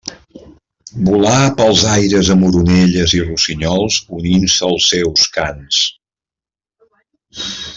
Volà pels aires amb oronelles i rossinyols unint-se als seus cants.